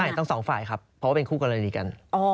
ใช่ทั้งสองฝ่ายครับเพราะว่าเป็นคู่กรณีกัน